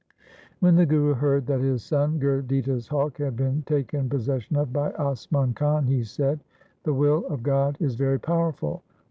When the Guru heard that his son Gurditta's hawk had been taken possession of by Asman Khan, he said, ' The will of God is very powerful.